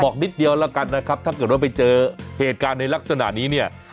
นิดเดียวแล้วกันนะครับถ้าเกิดว่าไปเจอเหตุการณ์ในลักษณะนี้เนี่ย